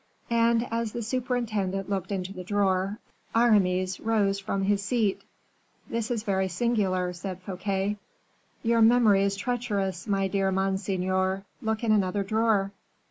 And as the superintendent looked into the drawer, Aramis rose from his seat. "This is very singular," said Fouquet. "Your memory is treacherous, my dear monseigneur; look in another drawer."